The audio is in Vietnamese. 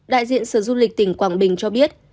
đại diện sở du lịch tỉnh quảng bình cho biết